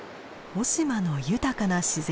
雄島の豊かな自然。